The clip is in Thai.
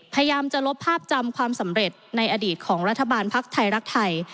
พยายามจะลบภาพจำความสำเร็จในอดีตของรัฐบาลภักดิ์ไทยรักไทย